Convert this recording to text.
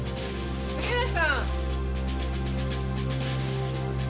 杉浦さん！